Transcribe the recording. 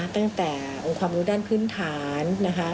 ตั้งแต่องค์ความรู้ด้านพื้นฐาน